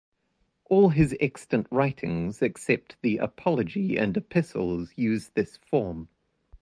All his extant writings, except the "Apology" and Epistles, use this form.